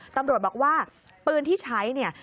ตำรวจบอกว่าปืนที่ใช้เนี่ย